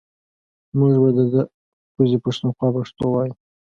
مونږ به ده ده کوزې پښتونخوا پښتو وايو